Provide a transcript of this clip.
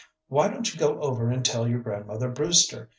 "Why don't you go over and tell your grandmother Brewster?